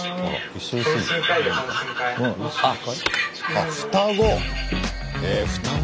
あっ双子！